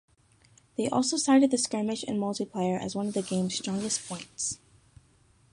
They also cited the skirmish and multiplayer as one of the game's strongest points.